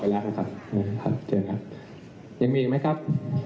ยั่งมีอีกไหมครับ